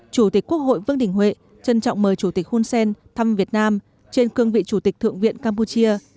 chủ tịch quốc hội vương đình huệ trân trọng mời chủ tịch hun sen thăm việt nam trên cương vị chủ tịch thượng viện campuchia